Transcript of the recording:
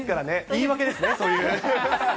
言い訳ですね、そういう。